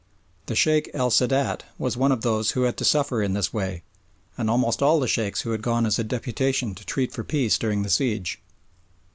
The Sheikh El Sadat was one of those who had to suffer in this way, and almost all of the Sheikhs who had gone as a deputation to treat for peace during the siege.